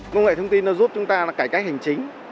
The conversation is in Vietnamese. công nghệ thông tin nó giúp chúng ta cải cách hành chính